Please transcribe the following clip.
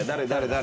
誰？